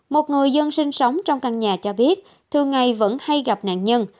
một người dân sinh sống trong căn nhà cho biết thường ngày vẫn hay gặp nạn nhân